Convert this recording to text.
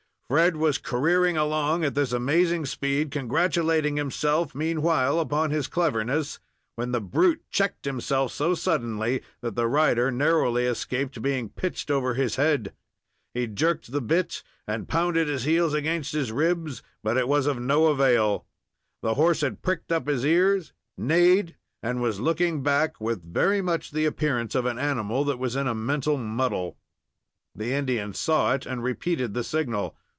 Fred was careering along at this amazing speed, congratulating himself meanwhile upon his cleverness, when the brute checked himself so suddenly that the rider narrowly escaped being pitched over his head. He jerked the bit, and pounded his heels against his ribs, but it was of no avail. The horse had pricked up his ears, neighed, and was looking back, with very much the appearance of an animal that was in a mental muddle. The Indian saw it, and repeated the signal.